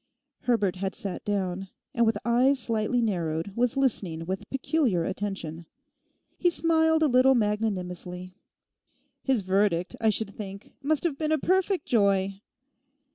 Herbert had sat down, and with eyes slightly narrowed was listening with peculiar attention. He smiled a little magnanimously. 'His verdict, I should think, must have been a perfect joy.